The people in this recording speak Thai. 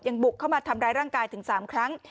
บุกเข้ามาทำร้ายร่างกายถึง๓ครั้ง